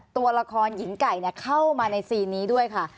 ตัวละครหญิงไก่เข้ามาในซีนนี้ด้วยค่ะ